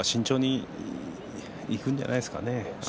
今日は慎重にいくんじゃないですかね